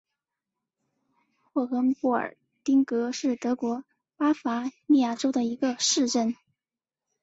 霍亨波尔丁格是德国巴伐利亚州的一个市镇。